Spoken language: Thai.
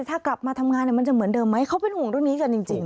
ถ้ากลับมาทำงานมันจะเหมือนเดิมไหมเขาเป็นห่วงเรื่องนี้กันจริง